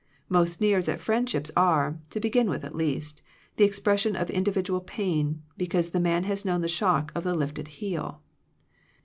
Most sneers at friendship are, to begin with at least, the expression of individual pain, because the man has known the shock of the lifted heel.